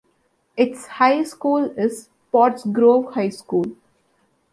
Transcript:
Its high school is Pottsgrove High School.